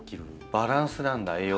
バランスなんだ栄養素も。